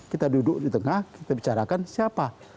kita duduk di tengah kita bicarakan siapa